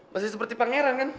masih seperti pangeran kan